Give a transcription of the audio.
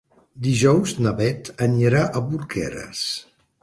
Dijous na Beth anirà a Porqueres.